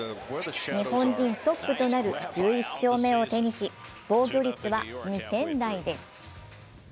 日本人トップとなる１１勝目を手にし、防御率は２点台です。